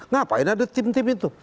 ngapain ada tim tim itu